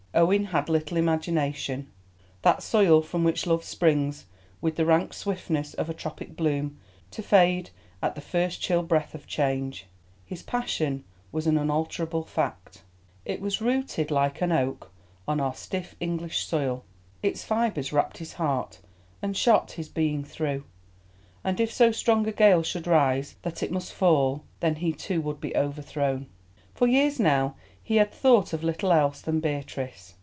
Owen had little imagination, that soil from which loves spring with the rank swiftness of a tropic bloom to fade at the first chill breath of change. His passion was an unalterable fact. It was rooted like an oak on our stiff English soil, its fibres wrapped his heart and shot his being through, and if so strong a gale should rise that it must fall, then he too would be overthrown. For years now he had thought of little else than Beatrice.